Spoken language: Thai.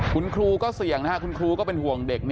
คุณครูก็เสี่ยงนะครับคุณครูก็เป็นห่วงเด็ก